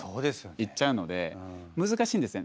いっちゃうので難しいんですよね